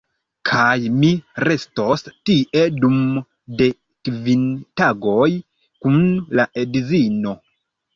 kaj mi restos tie dum de kvin tagoj kun la edzino